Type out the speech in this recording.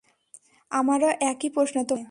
আমারও একই প্রশ্ন তোমার কাছে।